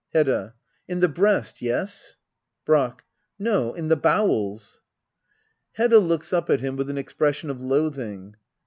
Hedda. In the breast — ^yes. Brack. No — in the bowels. Hedda. [Looks up at him with an expression of loathing.'